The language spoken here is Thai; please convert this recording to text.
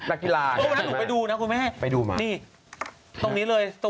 ก็คุณให้ผมไปดูนะคุณแม่ไอ้พี่นี่ตรงนี้เลยไปดูมา